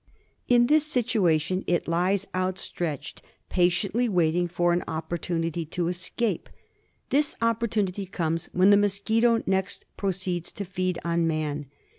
In this situation it lies outstretched patiently waiting for an opportunity to escape. This opportunity comes when the mosquito next proceeds to feed on man.